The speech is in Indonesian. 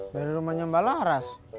dari rumahnya mbak laras